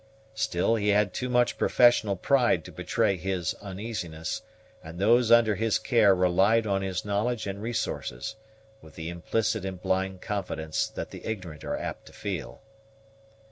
Still he had too much professional pride to betray his uneasiness, and those under his care relied on his knowledge and resources, with the implicit and blind confidence that the ignorant are apt to feel.